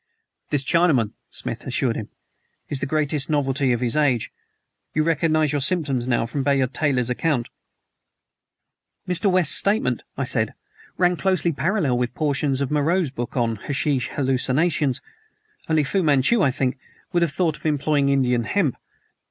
"This Chinaman," Smith assured him, "is the greatest novelty of his age. You recognize your symptoms now from Bayard Taylor's account?" "Mr. West's statement," I said, "ran closely parallel with portions of Moreau's book on 'Hashish Hallucinations.' Only Fu Manchu, I think, would have thought of employing Indian hemp.